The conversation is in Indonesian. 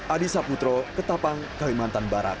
adi saputro ketapang kalimantan barat